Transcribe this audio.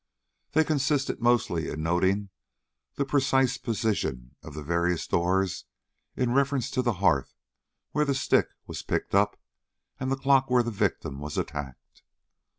They consisted mostly in noting the precise position of the various doors in reference to the hearth where the stick was picked up, and the clock where the victim was attacked.